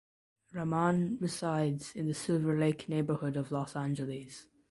Raman resides in the Silver Lake neighborhood of Los Angeles.